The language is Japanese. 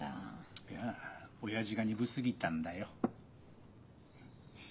いや親父が鈍すぎたんだよ。